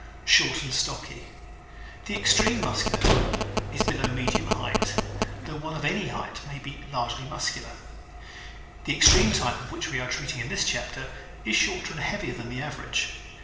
Short and Stocky ¶ The extreme Muscular type (See Chart 5) is below medium height, though one of any height may be largely muscular. The extreme type, of which we are treating in this chapter, is shorter and heavier than the average.